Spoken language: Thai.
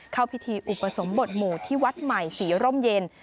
เข้าพิธีอุปสมบทหมู่ที่วัดใหม่ศรีร่มเย็น